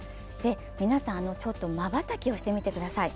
皆さん、ちょっと瞬きをしてみてください。